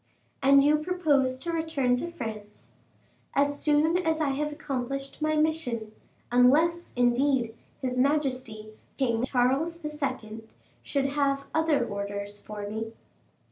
"And you propose to return to France?" "As soon as I have accomplished my mission; unless, indeed, his majesty, King Charles II., should have other orders for me."